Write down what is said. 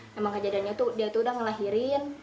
memang kejadiannya itu dia itu udah ngelahirin